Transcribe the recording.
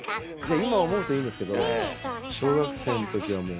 今思うといいんですけど小学生のときはもう。